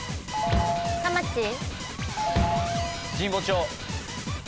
神保町。